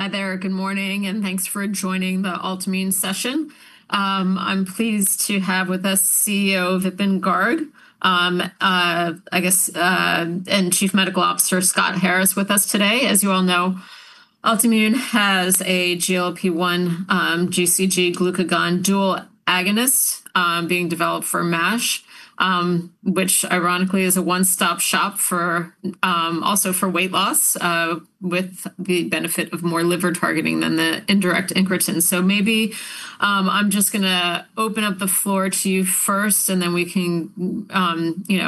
Hi there, good morning and thanks for joining the Altimmune Session. I'm pleased to have with us CEO Vipin K. Garg and Chief Medical Officer Scott Harris with us today. As you all know, Altimmune has a GLP-1/GCG glucagon dual agonist being developed for MASH, which ironically is a one stop shop also for weight loss with the benefit of more liver targeting than the indirect [Sema]. I'm just going to open up the floor to you first and then we can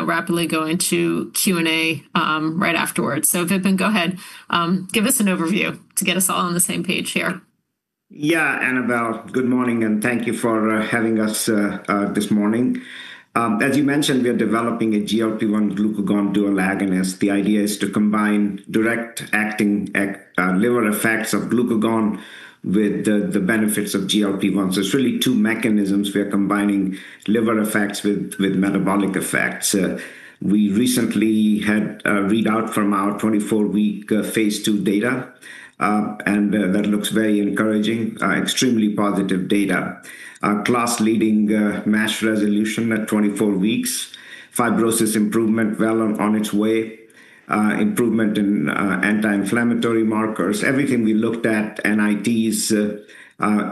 rapidly go into Q and A right afterwards. Vipin, go ahead, give us an overview to get us all on the same page here. Yeah. Annabel, good morning and thank you for having us this morning. As you mentioned, we are developing a GLP-1/glucagon dual agonist. The idea is to combine direct acting liver effects of glucagon with the benefits of GLP-1. It's really two mechanisms. We are combining liver effects with metabolic effects. We recently had a readout from our 24-week phase II data and that looks very encouraging. Extremely positive data, class-leading MASH resolution at 24 weeks. Fibrosis improvement well on its way, improvement in anti-inflammatory markers. Everything we looked at, NITs,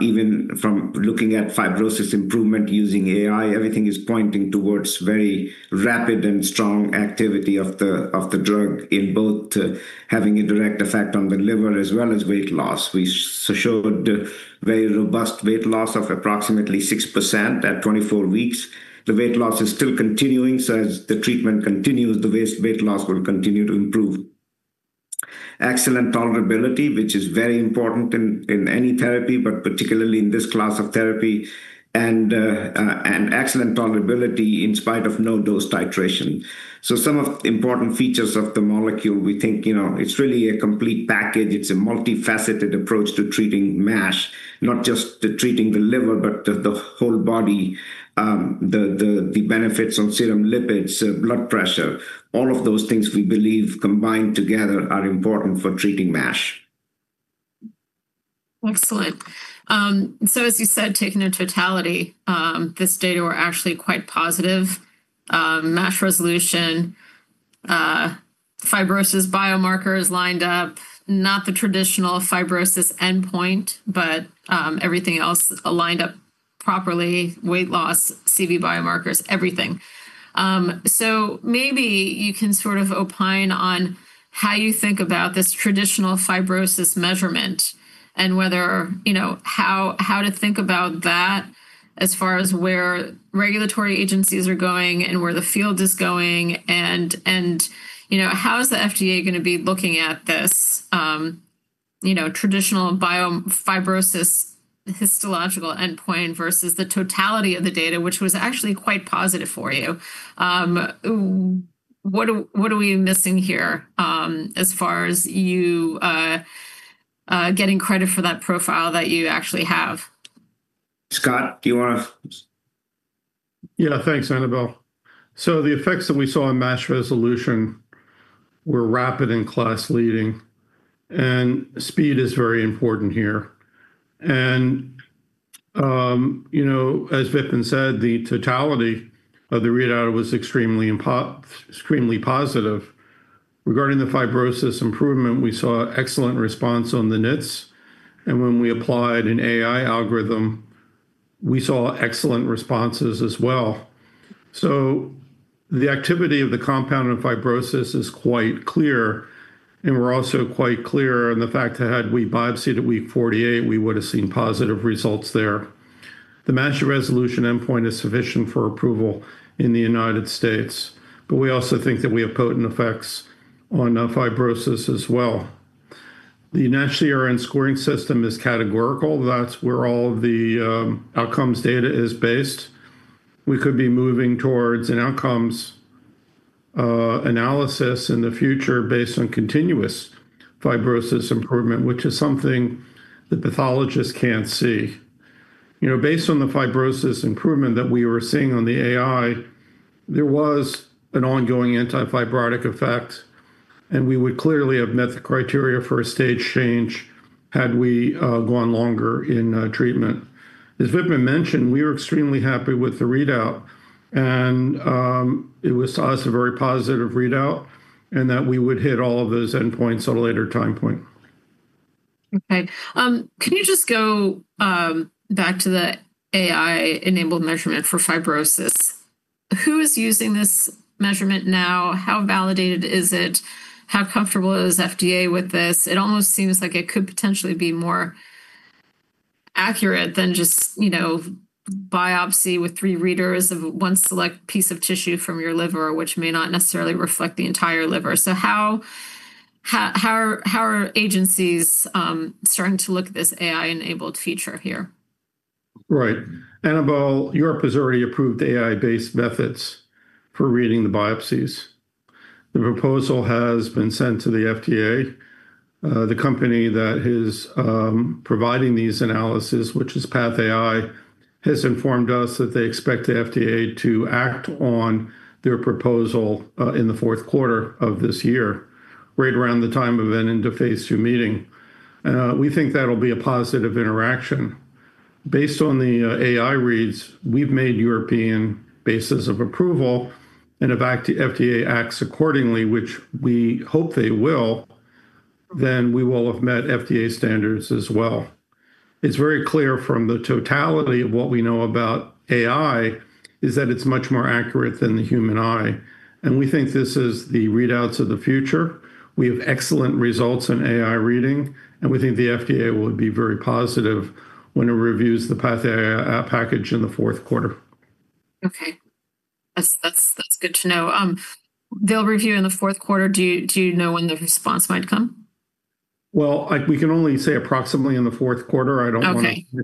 even from looking at fibrosis improvement using AI-enabled histological assessments, everything is pointing towards very rapid and strong activity of the drug in both having a direct effect on the liver as well as weight loss. We showed very robust weight loss of approximately 6% at 24 weeks. The weight loss is still continuing. As the treatment continues, the weight loss will continue to improve. Excellent tolerability, which is very important in any therapy, particularly in this class of therapy. Excellent tolerability in spite of no dose titration. Some important features of the molecule, we think it's really a complete package. It's a multifaceted approach to treating MASH, not just treating the liver, but the whole body. The benefits on serum lipids, blood pressure, all of those things we believe combined together are important for treating MASH. Excellent. As you said, taken in totality, this data were actually quite positive. MASH resolution, fibrosis biomarkers lined up. Not the traditional fibrosis endpoint, but everything else aligned up properly. Weight loss, CV biomarkers, everything. Maybe you can sort of opine on how you think about this traditional fibrosis measurement and whether you know how to think about that as far as where regulatory agencies are going and where the field is going and how is the FDA going to be looking at this traditional biofibrosis histological endpoint versus the totality of the data, which was actually quite positive for you. What are we missing here as far as you getting credit for that profile that you actually have? Scott, do you want to. Yeah. Thanks, Annabel. The effects that we saw in MASH resolution were rapid and class-leading, and speed is very important here. You know, as Vipin said, the totality, the readout was extremely positive. Regarding the fibrosis improvement, we saw excellent response on the NITs, and when we applied an AI algorithm, we saw excellent responses as well. The activity of the compound in fibrosis is quite clear. We're also quite clear on the fact that had we biopsied at week 48, we would have seen positive results there. The MASH resolution endpoint is sufficient for approval in the U.S., but we also think that we have potent effects on fibrosis as well. The NASH CRN scoring system is categorical. That's where all of the outcomes data is based. We could be moving towards an outcomes analysis in the future based on continuous fibrosis improvement, which is something that pathologists can't see. Based on the fibrosis improvement that we were seeing on the AI, there was an ongoing antifibrotic effect, and we would clearly have met the criteria for a stage change had we gone longer in treatment. As Weilman mentioned, we were extremely happy with the readout, and it was a very positive readout, and that we would hit all of those endpoints at a later time point. Okay, can you just go back to the AI-enabled histological assessments for fibrosis? Who is using this measurement now? How validated is it? How comfortable is FDA with this? It almost seems like it could potentially be more accurate than just, you know, biopsy with three readers of one select piece of tissue from your liver, which may not necessarily reflect the entire liver. How are agencies starting to look at this AI-enabled feature here? Right. Annabel, Europe has already approved AI-enabled methods for reading the biopsies. The proposal has been sent to the FDA. The company that is providing these analyses, which is PathAI, has informed us that they expect the FDA to act on their proposal in the fourth quarter of this year, right around the time of an Interphase II meeting. We think that'll be a positive interaction based on the AI reads. We've made European basis of approval, and if FDA acts accordingly, which we hope they will, then we will have met FDA standards as well. It's very clear from the totality of what we know about AI is that it's much more accurate than the human eye. We think this is the readouts of the future. We have excellent results in AI reading, and we think the FDA will be very positive when it reviews the PathAI package in the Fourth Quarter. Okay, that's good to know. They'll review in the Fourth Quarter. Do you know when the response might come? We can only say approximately in the Fourth Quarter. I don't want to do the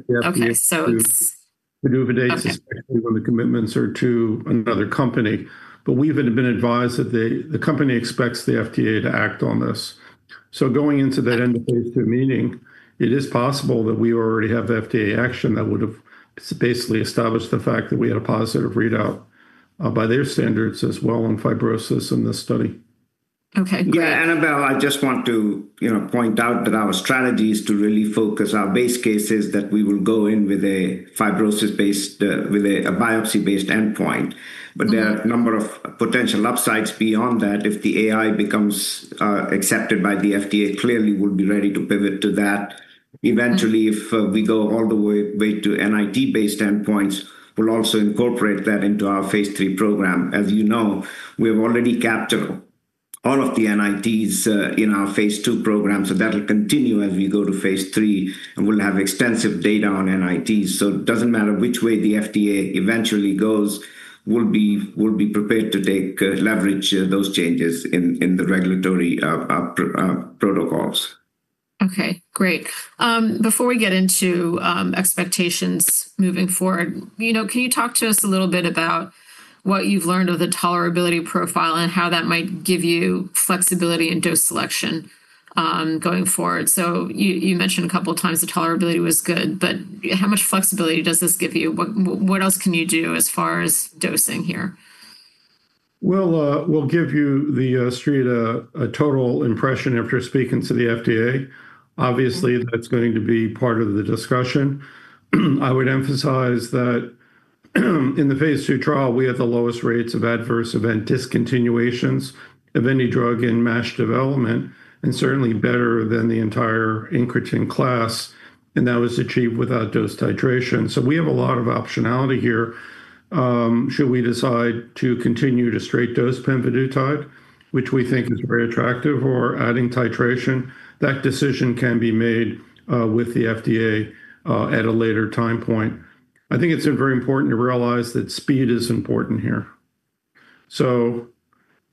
dates, especially when the commitments are to another company. We've been advised that the company expects the FDA to act on this. Going into that end of phase II meeting, it is possible that we already have FDA action that would have basically established the fact that we had a positive readout by their standards as well on fibrosis in this study. Okay. Yeah. Annabel, I just want to point out that our strategy is to really focus. Our base case is that we will go in with a fibrosis-based, with a biopsy-based endpoint. There are a number of potential upsides beyond that. If the AI becomes accepted by the FDA, clearly we'll be ready to pivot to that eventually. If we go all the way to NIT-based endpoints, we'll also incorporate that into our phase III program. As you know, we have already capped all of the NITs in our phase III program. That'll continue as we go to phase III. We'll have extensive data on NITs, so it doesn't matter which way the FDA eventually goes. We'll be prepared to leverage those changes in the regulatory protocols. Okay, great. Before we get into expectations moving forward, can you talk to us a little bit about what you've learned of the tolerability profile and how that might give you flexibility in dose selection going forward? You mentioned a couple times the tolerability was good, but how much flexibility does this give you? What else can you do as far as dosing here? We'll give you the street a total impression after speaking to the FDA. Obviously that's going to be part of the discussion. I would emphasize that in the phase III trial, we have the lowest rates of adverse event discontinuations of any drug in MASH development and certainly better than the entire incretin class. That was achieved without dose titration. We have a lot of optionality here. Should we decide to continue to straight dose pemvidutide, which we think is very attractive, or adding titration, that decision can be made with the FDA at a later time point. I think it's very important to realize that speed is important here.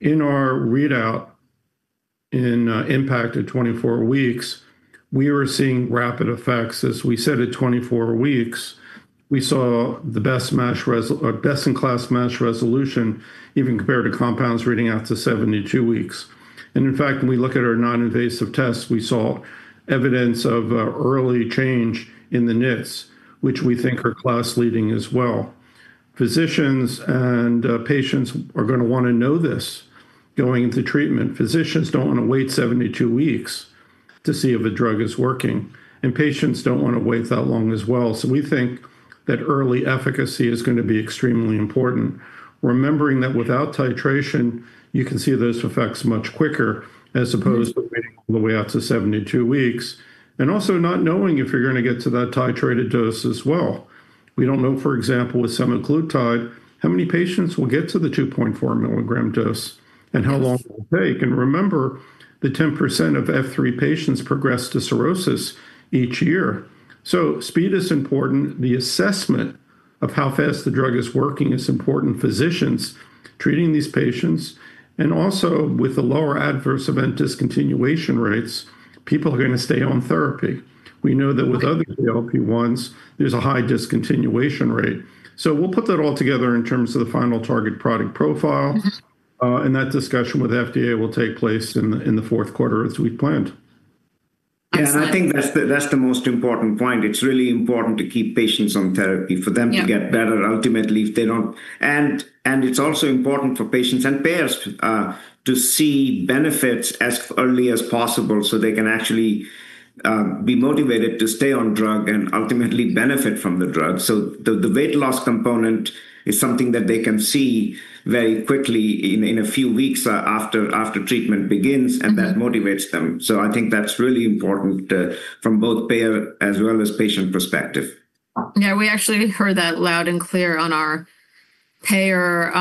In our readout in IMPACT at 24 weeks, we were seeing rapid effects. As we said, at 24 weeks we saw the best-in-class MASH resolution even compared to compounds reading out to 72 weeks. In fact, when we look at our non-invasive tests, we saw evidence of early change in the NITs, which we think are class leading as well. Physicians and patients are going to want to know this going into treatment. Physicians don't want to wait 72 weeks to see if a drug is working and patients don't want to wait that long as well. We think that early efficacy is going to be extremely important. Remembering that without titration you can see those effects much quicker as opposed to all the way out to 72 weeks, and also not knowing if you're going to get to that titrated dose as well. We don't know, for example, with semaglutide how many patients will get to the 2.4 mg dose and how long it will take. Remember the 10% of F3 patients progress to cirrhosis each year. Speed is important. The assessment of how fast the drug is working is important. Physicians treating these patients and also with the lower adverse event discontinuation rates, people are going to stay on therapy. We know that with other GLP-1s there's a high discontinuation rate. We'll put that all together in terms of the final target product profile and that discussion with FDA will take place in the fourth quarter as we planned. I think that's the most important point. It's really important to keep patients on therapy for them to get better ultimately if they don't. It's also important for patients and payers to see benefits as early as possible so they can actually be motivated to stay on drug and ultimately benefit from the drug. The weight loss component is something that they can see very quickly in a few weeks after treatment begins and that motivates them. I think that's really important from both payer as well as patient perspective. Yeah, we actually heard that loud and clear on our payer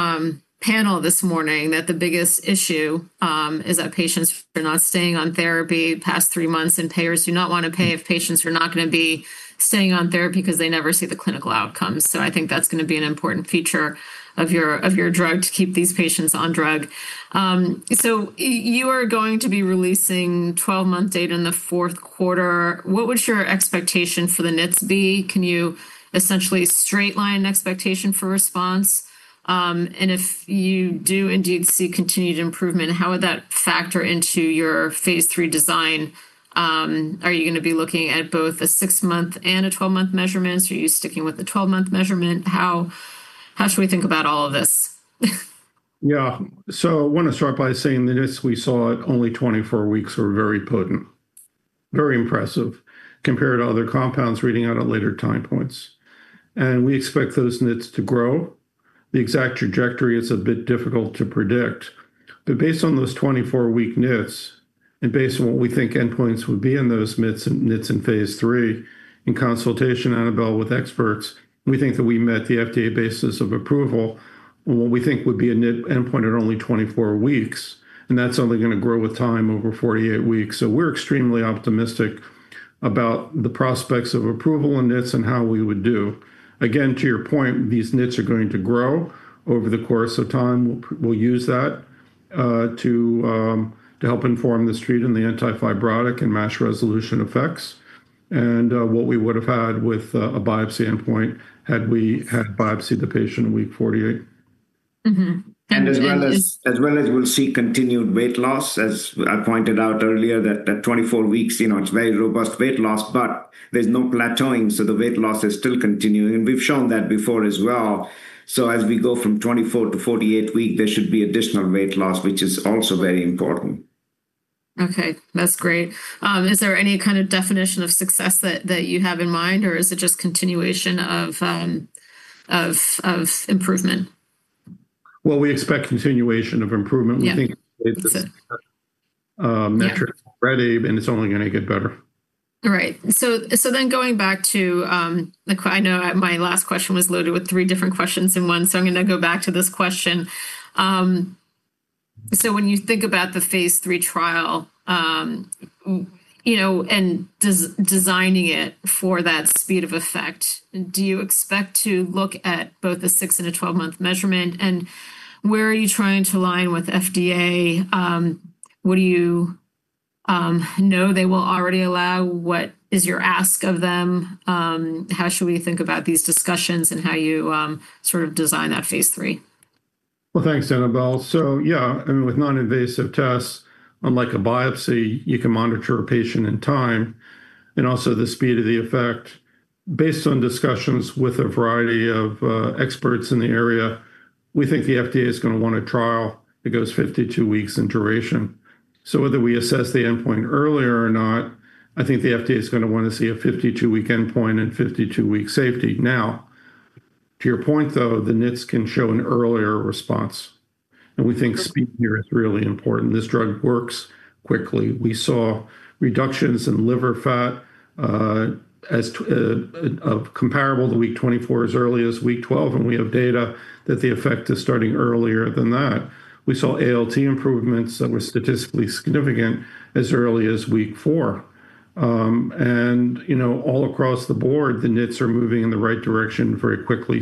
panel this morning. The biggest issue is that patients are not staying on therapy past three months, and payers do not want to pay if patients are not going to be staying on therapy because they never see the clinical outcomes. I think that's going to be an important feature of your drug to keep these patients on drug. You are going to be releasing 12 month data in the fourth quarter. What would your expectations for the NITs be? Can you essentially straight line expectation for response, and if you do indeed see continued improvement, how would that factor into your phase III design? Are you going to be looking at both a 6 month and a 12 month measurements? Are you sticking with the 12 month measurement? How should we think about all of this? Yeah, I want to start by saying that as we saw at only 24 weeks, are very potent, very impressive compared to other compounds reading out at later time points, and we expect those NITs to grow the exact trajectory. It's a bit difficult to predict, but based on those 24-week NITs and based on what we think endpoints would be in those NITs in phase III in consultation, Annabel, with experts, we think that we met the FDA basis of approval on what we think would be a NIT endpoint at only 24 weeks, and that's only going to grow with time over 48 weeks. We're extremely optimistic about the prospects of approval in NITs and how we would do. Again, to your point, these NITs are going to grow over the course of time. We'll use that to help inform this treat in the anti-fibrotic and MASH resolution effects and what we would have had with a biopsy endpoint had we had biopsied the patient in week 48. We’ll see continued weight loss, as I pointed out earlier at 24 weeks. It’s very robust weight loss, but there’s no plateauing. The weight loss is still continuing, and we’ve shown that before as well. As we go from 24 to 48 weeks, there should be additional weight loss, which is also very important. Okay, that's great. Is there any kind of definition of success that you have in mind, or is it just continuation of improvement? We expect continuation of improvement. We think. Metrics ready and it's only going to get better. All right, going back to this question. When you think about the phase III trial and designing it for that speed of effect, do you expect to look at both a 6 and a 12 month measurement? Where are you trying to align with FDA? What do you know they will already allow? What is your ask of them? How should we think about these discussions and how you sort of design that phase III? Thank you, Annabel. With non-invasive tests, unlike a biopsy, you can monitor a patient in time and also the speed of the effect. Based on discussions with a variety of experts in the area, we think the FDA is going to want a trial that goes 52 weeks in duration. Whether we assess the endpoint earlier or not, I think the FDA is going to want to see a 52-week endpoint and 52-week safety. To your point though, the NITs can show an earlier response and we think speed here is really important. This drug works quickly. We saw reductions in liver fat comparable to week 24 as early as week 12, and we have data that the effect is starting earlier than that. We saw ALT improvements that were statistically significant as early as week four. All across the board, the NITs are moving in the right direction very quickly.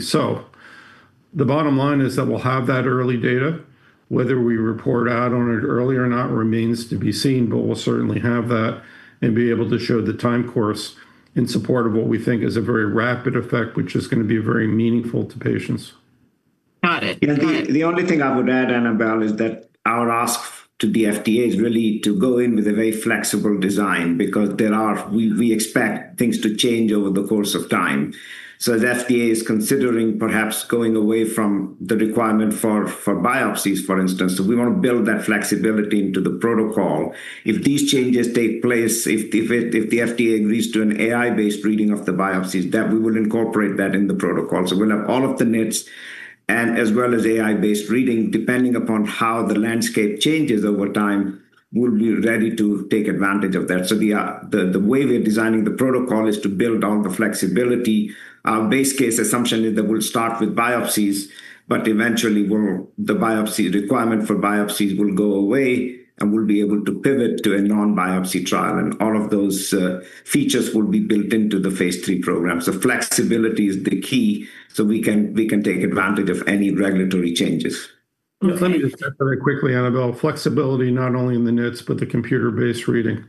The bottom line is that we'll have that early data. Whether we report out on it early or not remains to be seen, but we'll certainly have that and be able to show the time course in support of what we think is a very rapid effect, which is going to be very meaningful to patients. Got it. The only thing I would add, Annabel, is that our ask to the FDA is really to go in with a very flexible design because we expect things to change over the course of time. The FDA is considering perhaps going away from the requirement for biopsies, for instance. We want to build that flexibility into the protocol. If these changes take place, if the FDA agrees to an AI-enabled histological assessment of the biopsies, we will incorporate that in the protocol. We will have all of the NITs as well as AI-enabled histological assessments, depending upon how the landscape changes over time, and we'll be ready to take advantage of that. The way we are designing the protocol is to build on the flexibility. The base case assumption is that we'll start with biopsies, but eventually the requirement for biopsies will go away and we'll be able to pivot to a non-biopsy trial, and all of those features will be built into the phase III program. Flexibility is the key so we can take advantage of any regulatory changes. Let me just very quickly, Annabel. Flexibility, not only in the NITs, but the computer-based reading.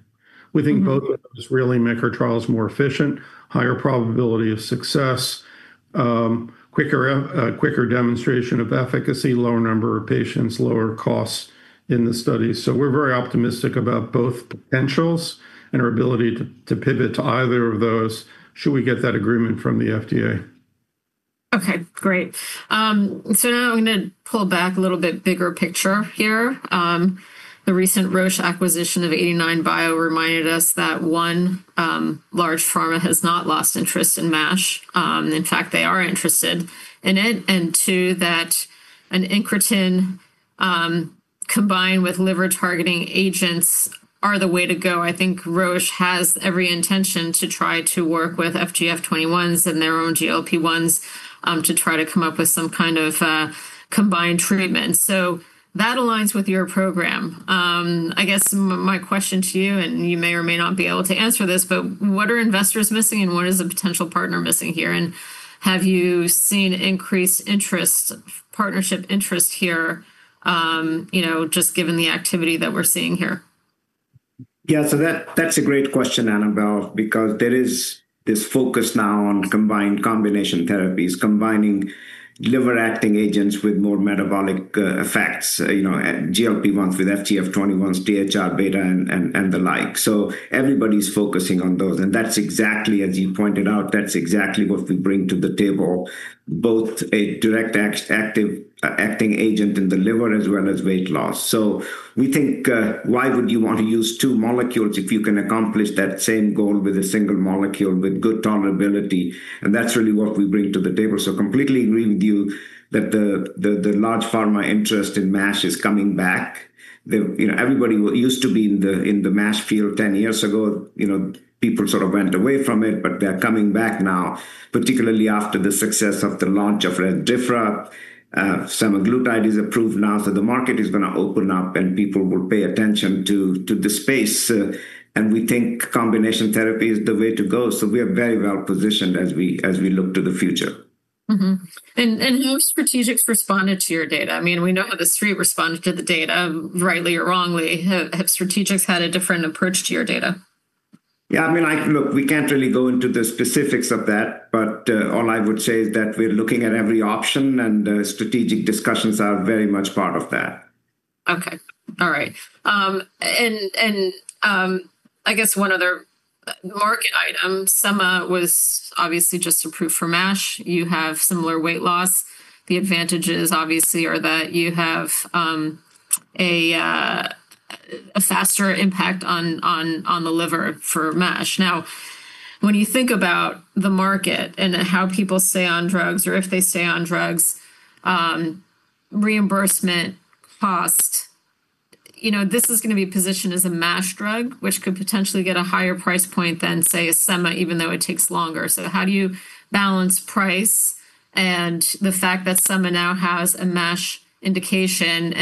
We think both really make our trials more efficient. Higher probability of success, quicker demonstration of efficacy, lower number of patients, lower costs in the studies. We're very optimistic about both potentials and our ability to pivot to either of those, should we get that agreement from the FDA. Okay, great. Now I'm going to pull back a little bit, bigger picture here. The recent Roche acquisition of 89bio reminded us that, one, large pharma has not lost interest in MASH, in fact they are interested in it. Two, that an incretin combined with liver targeting agents are the way to go. I think Roche has every intention to try to work with FGF21s and their own GLP-1s to try to come up with some kind of combined treatment, so that aligns with your program. I guess my question to you, and you may or may not be able to answer this, but what are investors missing and what is a potential partner missing here? Have you seen increased interest, partnership interest here, just given the activity that we're seeing here? Yeah, that's a great question, Annabel, because there is this focus now on combination therapies, combining liver-acting agents with more metabolic effects, GLP-1s with FGF21s, THR-β and the like. Everybody's focusing on those. That's exactly as you pointed out, that's exactly what we bring to the table, both a direct active acting agent in the liver as well as weight loss. We think, why would you want to use two molecules if you can accomplish that same goal with a single molecule with good tolerability? That's what we bring to the table. I completely agree with you that the large pharma interest in MASH is coming back. Everybody used to be in the MASH field 10 years ago. People sort of went away from it, but they're coming back now, particularly after the success of the launch of Rezdiffra. Semaglutide is approved now. The market is going to open up and people will pay attention to the space. We think combination therapy is the way to go. We are very well positioned as we look to the future. How have strategics responded to your data? We know how the street responded to the data. Rightly or wrongly, have strategics had a different approach to your data? Yeah, I mean, we can't really go into the specifics of that, but all I would say is that we're looking at every option, and strategic discussions are very much part of that. Okay. All right. I guess one other market item, Sema was obviously just approved for MASH. You have similar weight loss. The advantages obviously are that you have a faster impact on the liver for MASH. Now, when you think about the market and how people stay on drugs, or if they stay on drugs, reimbursement, cost, this is going to be positioned as a MASH drug, which could potentially get a higher price point than, say, a Sema, even though it takes longer. How do you balance price and the fact that Sema now has a MASH indication?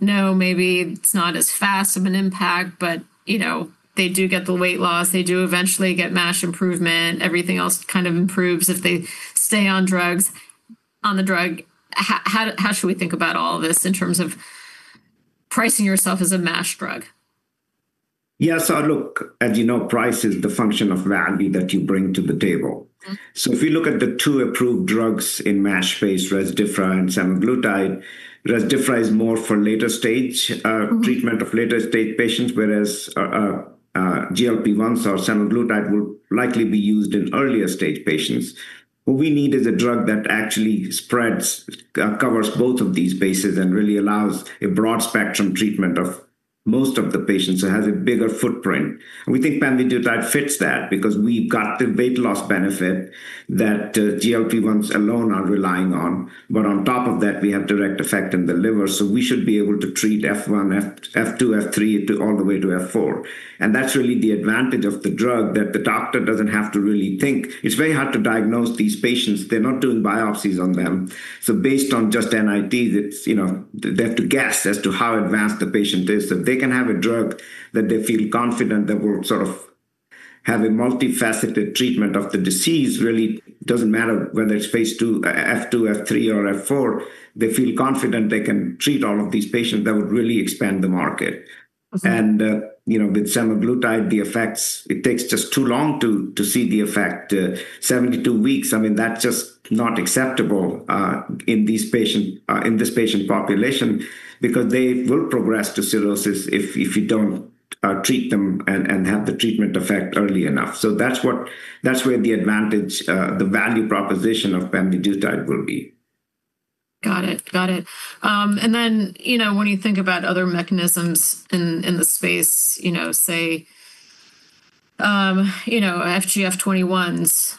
Maybe it's not as fast of an impact, but they do get the weight loss, they do eventually get MASH improvement. Everything else kind of improves if they stay on the drug. How should we think about all of this in terms of pricing yourself as a MASH drug? Yes. Look, as you know, price is the function of value that you bring to the table. If we look at the two approved drugs in MASH space, Rezdiffra and semaglutide, Rezdiffra is more for later stage treatment of later stage patients, whereas GLP-1 or semaglutide will likely be used in earlier stage patients. What we need is a drug that actually spreads, covers both of these bases and really allows a broad spectrum treatment of most of the patients. It has a bigger footprint. We think pemvidutide fits that because we've got the weight loss benefit that GLP-1s alone are relying on, but on top of that, we have direct effect in the liver. We should be able to treat F1, F2, F3, all the way to F4. That's really the advantage of the drug that the doctor doesn't have to really think it's very hard to diagnose these patients. They're not doing biopsies on them. Based on just NITs, they have to guess as to how advanced the patient is. If they can have a drug that they feel confident that will sort of have a multifaceted treatment of the disease, really doesn't matter whether it's F2, F3 or F4, they feel confident they can treat all of these patients. That would really expand the market. With semaglutide, the effects, it takes just too long to see the effect, 72 weeks. I mean, that's just not acceptable in this patient population because they will progress to cirrhosis if you don't treat them and have the treatment effect early enough. That's where the advantage, the value proposition of pemvidutide will be. Got it. When you think about other mechanisms in the space, say FGF21s,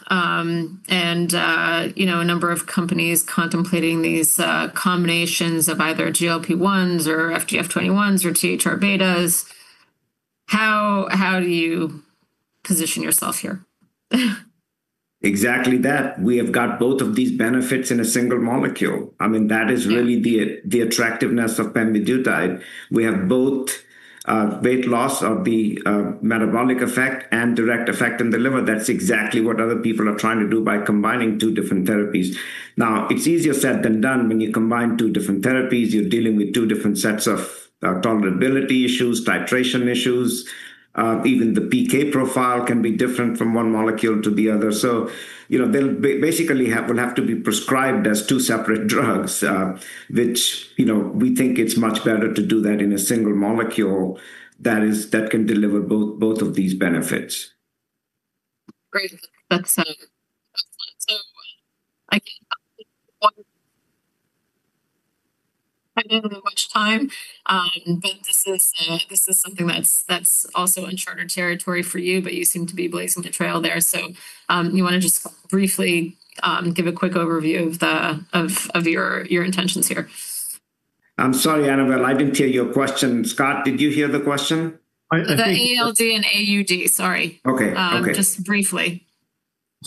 and a number of companies contemplating these combinations of either GLP-1s or FGF21s or THR-βs, how do you position yourself here exactly? We have got both of these benefits in a single molecule. I mean, that is really the attractiveness of pemvidutide. We have both weight loss of the metabolic effect and direct effect in the liver. That's exactly what other people are trying to do by combining two different therapies. It's easier said than done. When you combine two different therapies, you're dealing with two different sets of tolerability issues, titration issues. Even the PK profile can be different from one molecule to the other. They'll basically have to be prescribed as two separate drugs, which, you know, we think it's much better to do that in a single molecule that can deliver both. Both of these benefits. Great. That's depending on which time. This is something that's also uncharted territory for you. You seem to be blazing the trail there. Do you want to just briefly give a quick overview of your intentions here? I'm sorry, Annabel, I didn't hear your question. Scott, did you hear the question? The ALD and AUD. Sorry. Okay, just briefly.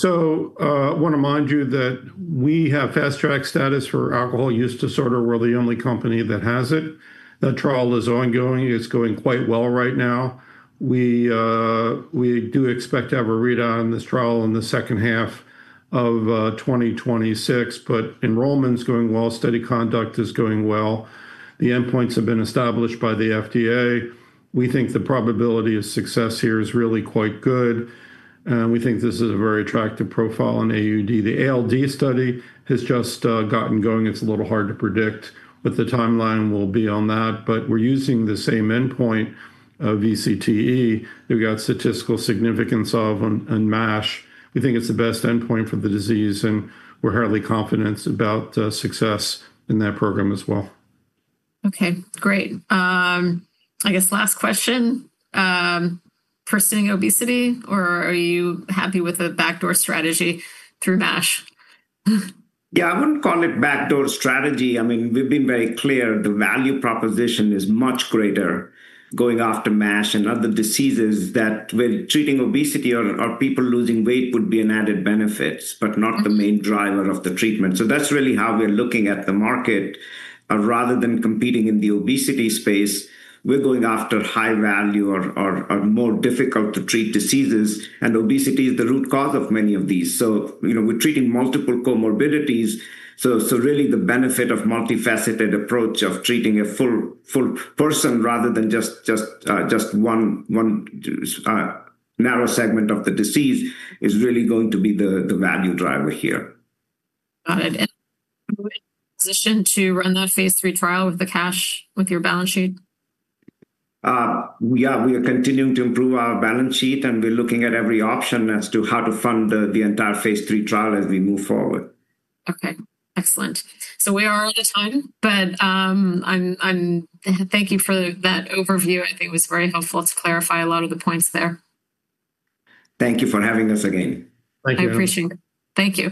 I want to remind you that we have Fast Track status for alcohol use disorder. We're the only company that has it. That trial is ongoing. It's going quite well right now. We do expect to have a readout on this trial in the second half of 2026. Enrollment's going well. Steady conduct is going well. The endpoints have been established by the FDA. We think the probability of success here is really quite good. We think this is a very attractive profile on AUD. The ALD study has just gotten going. It's a little hard to predict what the timeline will be on that. We're using the same endpoint of VCTE. We've got statistical significance of unmash. We think it's the best endpoint for the disease, and we're highly confident about success in that program as well. Okay, great. I guess last question. Pursuing obesity or are you happy with a backdoor strategy through MASH? I wouldn't call it a backdoor strategy. We've been very clear the value proposition is much greater. Going after MASH and other diseases, treating obesity or people losing weight would be an added benefit, but not the main driver of the treatment. That's really how we're looking at the market. Rather than competing in the obesity space, we're going after high value or more difficult to treat diseases. Obesity is the root cause of many of these, so we're treating multiple comorbidities. The benefit of a multifaceted approach of treating a full person rather than just one narrow segment of the disease is really going to be the value driver here. Got it. Positioned to run that phase III trial with the cash with your balance sheet? Yeah, we are continuing to improve our balance sheet, and we're looking at every option as to how to fund the entire phase III trial as we move forward. Okay, excellent. We are out of time, but thank you for that overview. I think it was very helpful to clarify a lot of the points there. Thank you for having us again. Thank you. I appreciate it. Thank you.